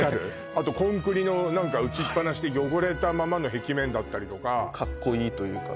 あとコンクリの打ちっぱなしで汚れたままの壁面だったりとかカッコいいというかね